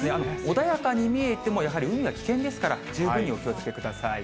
穏やかに見えても、やはり海は危険ですから、十分にお気をつけください。